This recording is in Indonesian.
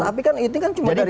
tapi kan itu kan cuma dari satu